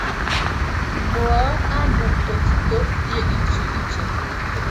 bụọ abụ otutu dị iche iche